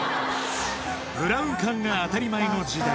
ブラウン管が当たり前の時代